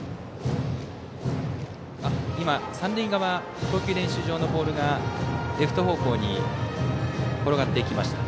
今、三塁側の投球練習場のボールレフト方向に転がっていきました。